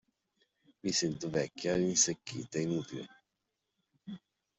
Mi sento vecchia, rinsecchita, inutile.